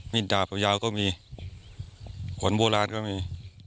ด่าผมยาวก็มีขนโบราณก็มี